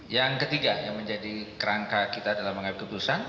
yang ketiga yang menjadi kerangka kita dalam mengambil keputusan